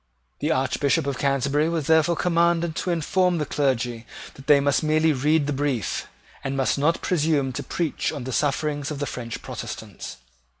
The Archbishop of Canterbury was therefore commanded to inform the clergy that they must merely read the brief, and must not presume to preach on the sufferings of the French Protestants.